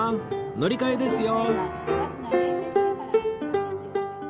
乗り換えですよ